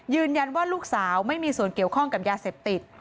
ยืนยันว่าลูกสาวไม่มีส่วนเกี่ยวข้องกับยาเสพติด